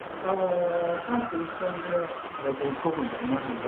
タンク１本で大体１石になりますので。